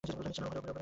নিচে না উপরে!